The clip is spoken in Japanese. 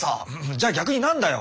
じゃあ逆になんだよ？